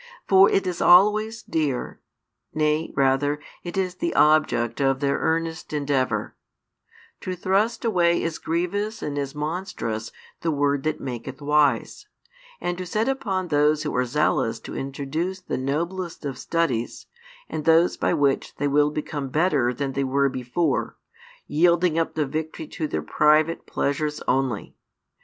For it is always dear nay, rather, it is the object of their earnest endeavour to thrust away as grievous and as monstrous the word that maketh wise, and to set upon those who are zealous to introduce the noblest of studies, and those by which they will become better than they were before; yielding up the victory to their private pleasures only.